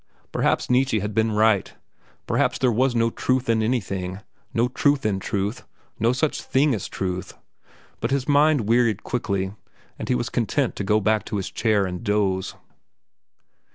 Perhaps Nietzsche had been right. Perhaps there was no truth in anything, no truth in truth—no such thing as truth. But his mind wearied quickly, and he was content to go back to his chair and doze.